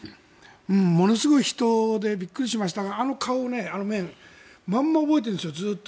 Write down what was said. ものすごい人でびっくりしましたがあの顔まんま覚えているんですよ。